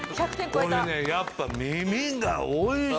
これねやっぱ耳が美味しい！